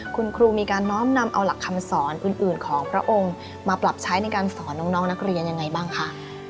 คุณครูมีการน้อมนำเอาหลักคำสอนอื่นของพระองค์มาปรับใช้ในการสอนน้องนักเรียนยังไงบ้างคะ